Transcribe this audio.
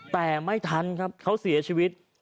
แต่ไม่ทันครับเขาเสียชีวิต